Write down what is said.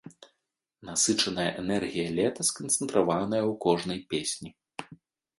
Насычаная энергія лета сканцэнтраваная ў кожнай песні.